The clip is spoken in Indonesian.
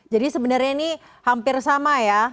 sebenarnya ini hampir sama ya